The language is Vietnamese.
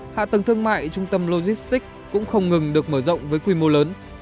hạ tầng thương mại trung tâm logistics cũng không ngừng được mở rộng với quy mô lớn